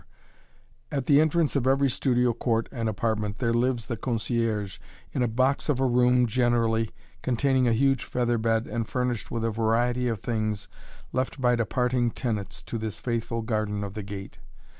[Illustration: (studio)] At the entrance of every studio court and apartment, there lives the concierge in a box of a room generally, containing a huge feather bed and furnished with a variety of things left by departing tenants to this faithful guardian of the gate.